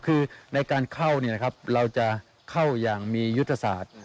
คือในการเข้าเราจะเข้าอย่างมียุทธศาสตร์